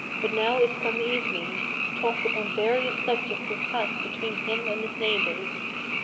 But now is come evening, Talk upon various subjects has passed between him and his neighbors.